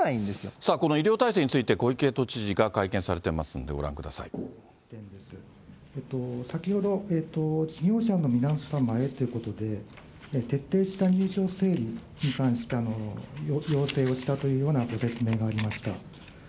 さあ、この医療体制について小池都知事が会見されてますんで、ご覧くだ先ほど、事業者の皆様へということで、徹底した入場整理、要請をしたというようなご説明がありました。